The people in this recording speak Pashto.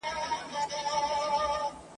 یوه شمع به ختمېږي خو بلېږي به سل نوري !.